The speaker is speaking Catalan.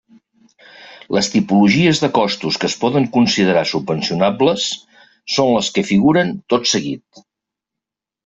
Les tipologies de costos que es poden considerar subvencionables són les que figuren tot seguit.